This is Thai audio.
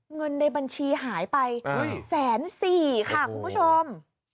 เงินในบัญชีหายไปแสนสี่ค่ะคุณผู้ชม